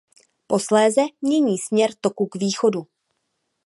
Posléze mění směr toku k východu.